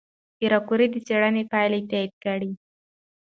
پېیر کوري د څېړنې پایله تایید کړه.